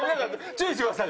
注意してください。